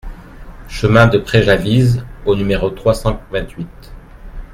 Chemin de Fréjavise au numéro trois cent vingt-huit